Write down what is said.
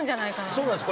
そうなんです。